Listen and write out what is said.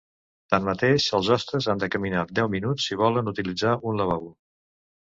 Tanmateix, els hostes han de caminar deu minuts si volen utilitzar un lavabo.